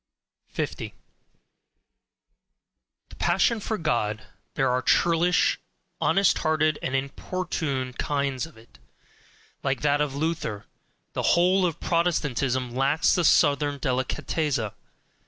50. The passion for God: there are churlish, honest hearted, and importunate kinds of it, like that of Luther the whole of Protestantism lacks the southern DELICATEZZA.